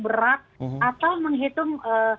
berat atau menghitung